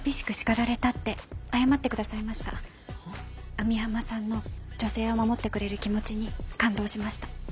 網浜さんの女性を守ってくれる気持ちに感動しました。